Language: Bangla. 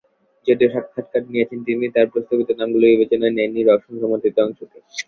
যদিও সাক্ষাত্কার নিয়েছেন তিনি, তাঁর প্রস্তাবিত নামগুলো বিবেচনায় নেয়নি রওশন-সমর্থিত অংশটি।